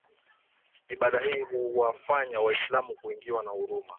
ibada hii huwafanya waislamu kuingiwa na huruma